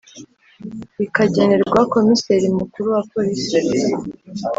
ikagenerwa Komiseri Mukuru wa Polisi